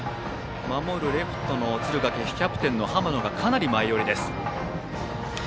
守るレフトの敦賀気比キャプテン浜野がかなり前寄り。